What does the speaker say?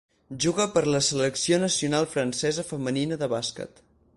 Juga per la selecció nacional francesa femenina de bàsquet.